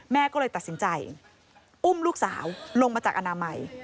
แม่ก็เลยตัดสินใจอุ้มลูกสาวลงมาจากอนามัย